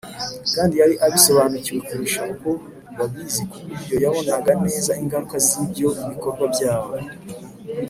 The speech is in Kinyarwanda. kandi yari abisobanukiwe kurusha uko babizi, ku buryo yabonaga neza ingaruka z’ibyo bikorwa byabo